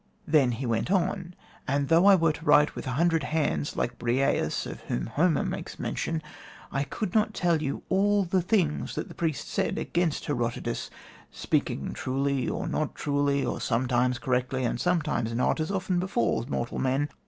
Then he went on, and though I were to write with a hundred hands (like Briareus, of whom Homer makes mention) I could not tell you all the things that the priest said against Herodotus, speaking truly, or not truly, or sometimes correctly and sometimes not, as often befalls mortal men.